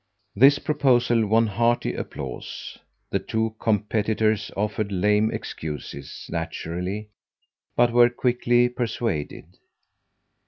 This proposal won hearty applause. The two competitors offered lame excuses, naturally, but were quickly persuaded.